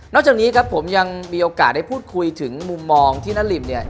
จากนี้ครับผมยังมีโอกาสได้พูดคุยถึงมุมมองที่นาริมเนี่ย